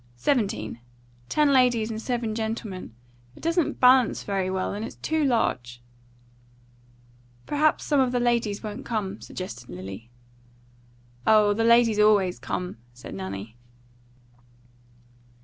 Seventeen. Ten ladies and seven gentlemen. It doesn't balance very well, and it's too large." "Perhaps some of the ladies won't come," suggested Lily. "Oh, the ladies always come," said Nanny.